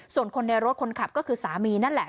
ส่วนคนในรถคนขับก็คือสามีนั่นแหละ